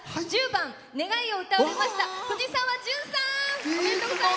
１０番「ねがい」を歌われましたふじさわさん。